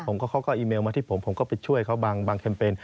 เขาก็อีเมลมาที่ผมผมก็ไปช่วยเขาบางแคมเปญ